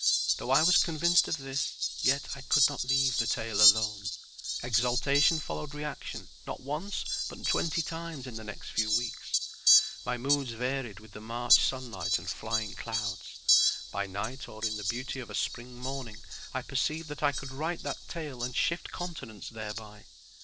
Though I was convinced of this, yet I could not leave the tale alone. Exaltation followed reaction, not once, but twenty times in the next few weeks. My moods varied with the March sunlight and flying clouds. By night or in the beauty of a spring morning I perceived that I could write that tale and shift continents thereby.